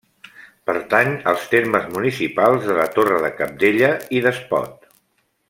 Pertany als termes municipals de la Torre de Cabdella i d'Espot.